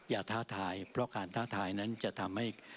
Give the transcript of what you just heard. ท้าทายเพราะการท้าทายนั้นจะทำให้